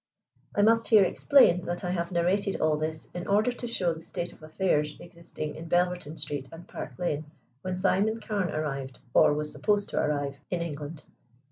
I must here explain that I have narrated all this in order to show the state of affairs existing in Belverton Street and Park Lane when Simon Carne arrived, or was supposed to arrive in England.